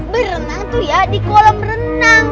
berenang tuh ya di kolam renang